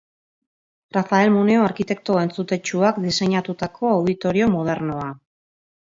Rafael Moneo arkitekto entzutetsuak diseinatutako auditorio modernoa.